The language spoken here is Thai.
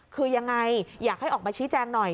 คือยังไงอยากให้ออกมาชี้แจงหน่อย